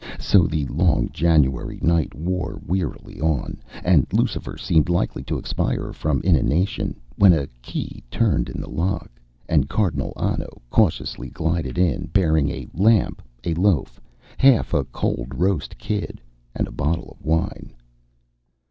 So the long January night wore wearily on, and Lucifer seemed likely to expire from inanition, when a key turned in the lock, and Cardinal Anno cautiously glided in, bearing a lamp, a loaf, half a cold roast kid, and a bottle of wine.